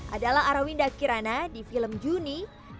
adalah arawinda kirana di film juni